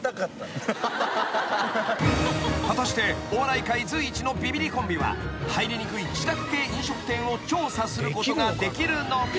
［果たしてお笑い界随一のビビリコンビは入りにくい自宅系飲食店を調査することができるのか？］